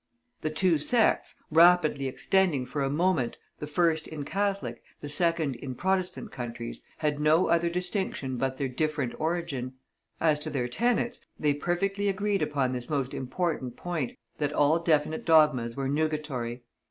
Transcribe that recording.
The two new sects, rapidly extending for a moment, the first in Catholic, the second in Protestant countries, had no other distinction but their different origin; as to their tenets, they perfectly agreed upon this most important point that all definite dogmas were nugatory.